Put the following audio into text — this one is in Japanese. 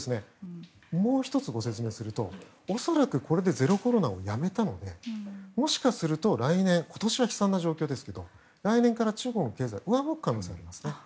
もう１つ、ご説明すると恐らくこれでゼロコロナをやめたらもしかすると今年は悲惨な状況ですけど来年から中国の経済が上向く可能性があるんですね。